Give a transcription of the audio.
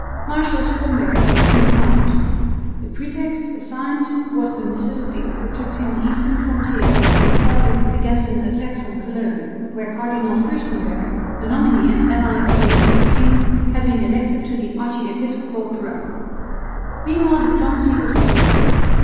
Marshal Schomberg was in command. The pretext assigned was the necessity of protecting the eastern frontier of the Republic against an attack from Cologne, where Cardinal Fürstenberg, the nominee and ally of Louis XIV, had been elected to the archiepiscopal throne. Meanwhile diplomacy was active.